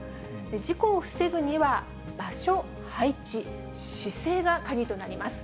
事故を防ぐには、場所、配置、姿勢が鍵となります。